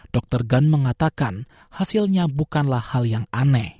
dr gunn mengatakan hasilnya bukanlah hal yang aneh